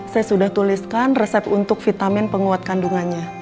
saya sudah tuliskan resep untuk vitamin penguat kandungannya